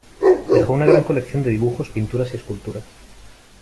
Dejó una gran colección de dibujos, pinturas y esculturas.